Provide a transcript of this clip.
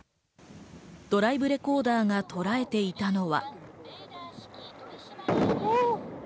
ドライブレコーダーがとらえていたのは。